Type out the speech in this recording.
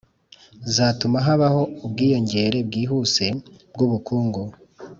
zatuma habaho ubwiyongere bwihuse bw'ubukungu.